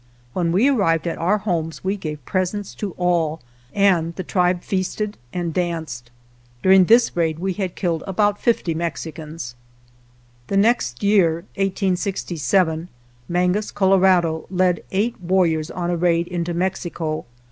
When we arrived at our homes we gave presents to all, and the tribe feasted and danced. During this raid we had killed about fifty Mexicans. Next year (1867) Mangus Colorado led eight warriors on a raid into Mexico.